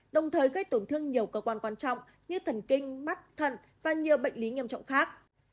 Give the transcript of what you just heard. đồng thời gây tổn thương nhiều cơ quan quan trọng như thần kinh mắt thận và nhiều bệnh lý nghiêm trọng khác